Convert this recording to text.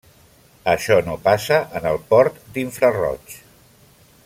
Això no passa en el port d'infraroig.